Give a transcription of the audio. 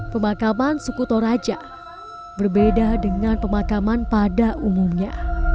pemakaman suku toraja berbeda dengan pemakaman pada umumnya